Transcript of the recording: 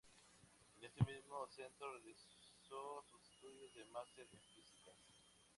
En ese mismo centro realizó sus estudios de Máster en Físicas.